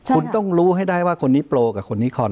คุณต้องรู้ให้ได้ว่าคนนี้โปรกับคนนี้คอน